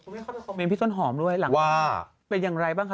มีคำสอบเม้นพี่ส้นหอมด้วยหลังจากนี้เป็นอย่างไรบ้างคะ